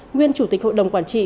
nguyên chủ tịch hội đồng quản trị